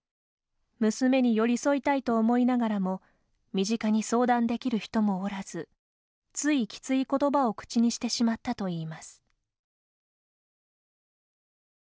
娘に寄り添いたいと思いながらも身近に相談できる人もおらずついきつい言葉を口にしてしまったといいます。